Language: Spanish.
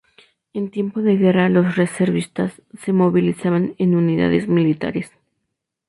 En tiempo de guerra los reservistas se movilizan en unidades militares.